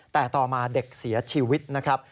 แต่ต่อมาเด็กเสียชีวิตนะครับ